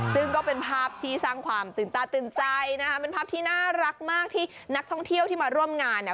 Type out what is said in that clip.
ซึ่งก็เป็นภาพที่สร้างความตื่นตาตื่นใจนะคะเป็นภาพที่น่ารักมากที่นักท่องเที่ยวที่มาร่วมงานเนี่ย